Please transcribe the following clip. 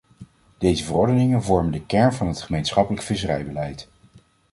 Deze verordeningen vormen de kern van het gemeenschappelijk visserijbeleid.